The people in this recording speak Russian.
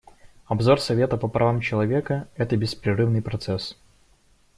Обзор Совета по правам человека — это беспрерывный процесс.